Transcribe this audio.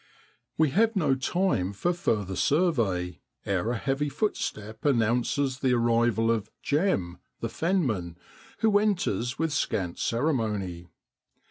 We have no time for further survey ere a heavy footstep announces the arrival of l Jem 'the fenman, who enters with scant ceremony.